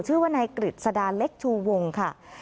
ชื่อว่านายกฤษดาเล็กชูวงค่ะ